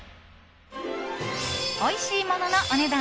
おいしいもののお値段